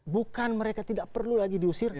bukan mereka tidak perlu lagi diusir